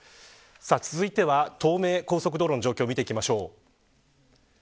続いては東名高速道路の状況を見ていきましょう。